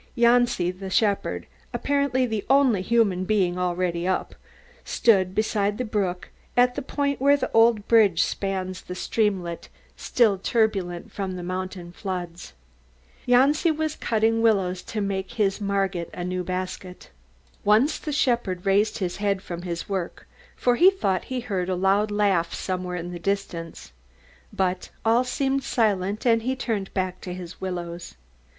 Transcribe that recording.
Janci the shepherd, apparently the only human being already up, stood beside the brook at the point where the old bridge spans the streamlet, still turbulent from the mountain floods. Janci was cutting willows to make his Margit a new basket. Once the shepherd raised his head from his work, for he thought he heard a loud laugh somewhere in the near distance. But all seemed silent and he turned back to his willows.